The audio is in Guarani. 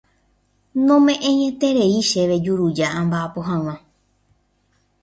Nome'ẽieterei chéve juruja amba'apo hag̃ua.